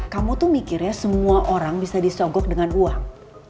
kamu tuh mikirnya semua orang bisa disogok dengan uang